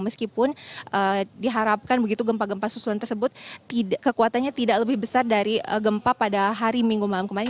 meskipun diharapkan begitu gempa gempa susulan tersebut kekuatannya tidak lebih besar dari gempa pada hari minggu malam kemarin